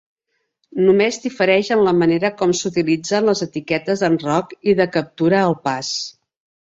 Només difereix en la manera com s'utilitzen les etiquetes d'enroc i de "captura al pas".